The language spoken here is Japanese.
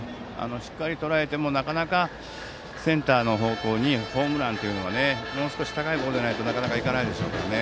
しっかりとらえてもなかなかセンターの方向にホームランというのがもう少し高いボールじゃないとなかなかいかないでしょうからね。